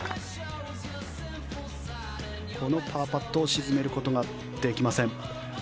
このパーパットを沈めることができません。